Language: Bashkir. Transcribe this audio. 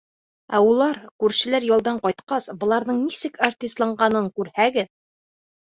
Ә улар, күршеләр, ялдан ҡайтҡас, быларҙың нисек артисланғанын күрһәгеҙ.